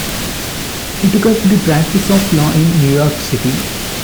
He took up the practice of law in New York City.